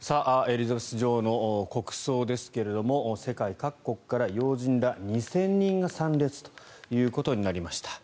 エリザベス女王の国葬ですが世界各国から要人ら２０００人が参列ということになりました。